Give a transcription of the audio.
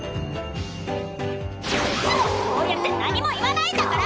いつもそうやって何も言わないんだから！